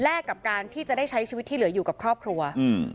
กับการที่จะได้ใช้ชีวิตที่เหลืออยู่กับครอบครัวอืม